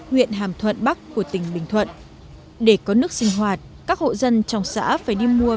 huyện hàm thuận bắc của tỉnh bình thuận để có nước sinh hoạt các hộ dân trong xã phải đi mua